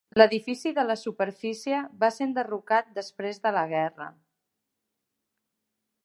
L'edifici de la superfície va ser enderrocat després de la guerra.